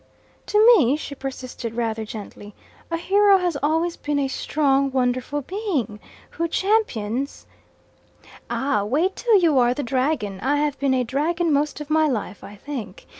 "To me," she persisted, rather gently, "a hero has always been a strong wonderful being, who champions " "Ah, wait till you are the dragon! I have been a dragon most of my life, I think.